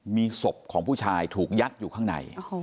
มีศพของผู้ชายถูกยัดอยู่ข้างใน